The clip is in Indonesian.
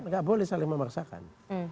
gak boleh saling memaksakan